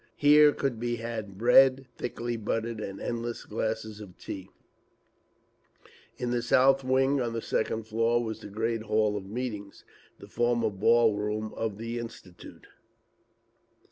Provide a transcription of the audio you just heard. Here could be had bread thickly buttered and endless glasses of tea…. In the south wing on the second floor was the great hall of meetings, the former ball room of the Institute.